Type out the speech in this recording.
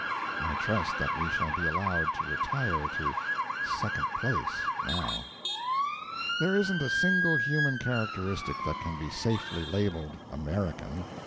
I trust that we shall be allowed to retire to second place now. There isn't a single human characteristic that can be safely labeled "American."